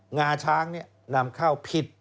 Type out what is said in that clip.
งาช้างเนี่ยนำเข้าผิด